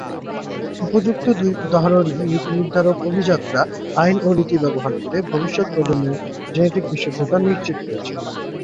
উপর্যুক্ত দুই উদাহরণে নীতি নির্ধারক অভিজাতরা আইন ও রীতি ব্যবহার করে ভবিষ্যৎ প্রজন্মের জেনেটিক বিশুদ্ধতা নিশ্চিত করেছে।